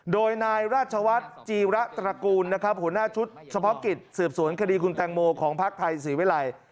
โดยนายราชวัฒน์จีระตระกูลนะครับหัวหน้าชุดเฉพาะกิจสืบสวนคดีคุณแตงโมของพักไทยศรีวิรัย